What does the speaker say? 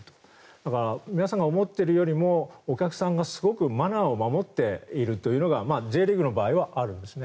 だから皆さんが思っているよりもお客さんがすごくマナーを守っているというのがＪリーグの場合はあるんですね。